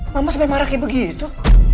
mama sampe marah kayak begitu